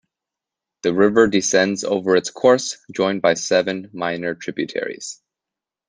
The river descends over its course, joined by seven minor tributaries.